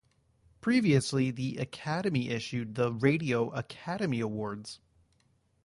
Previously the Academy issued the Radio Academy Awards.